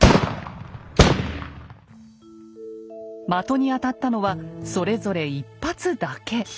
的に当たったのはそれぞれ１発だけ。